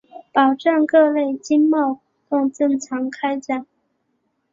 保障各类经贸活动正常开展